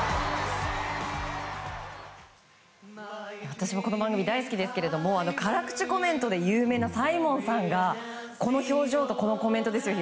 私もこの番組大好きですけど辛口コメントで有名なサイモンさんがこの表情とこのコメントですよ。